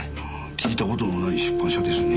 聞いた事のない出版社ですね。